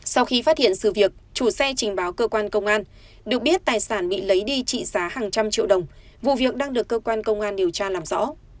sau khi phát hiện sự việc chủ xe trình báo cơ quan công an được biết tài sản bị lấy đi trị giá hàng trăm triệu đồng vụ việc đang được cơ quan công an điều tra làm rõ